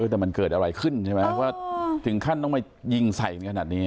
แต่มันเกิดอะไรขึ้นใช่ไหมว่าถึงขั้นต้องมายิงใส่กันขนาดนี้